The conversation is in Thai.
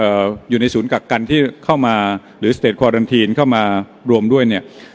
อยู่ในศูนย์กักกันที่เข้ามาหรือสเตจควารันทีนเข้ามารวมด้วยเนี่ย